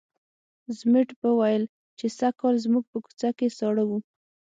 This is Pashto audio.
ضمټ به ویل چې سږکال زموږ په کوڅه کې ساړه وو.